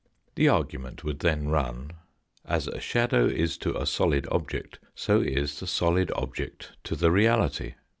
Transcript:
The argu ment would then run, as a shadow is to a solid object, so is the solid object to the reality.